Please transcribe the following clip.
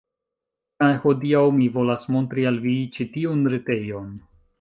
Kaj hodiaŭ mi volas montri al vi ĉi tiun retejon